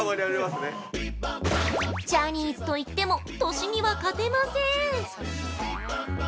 ◆ジャニーズといっても歳には勝てません。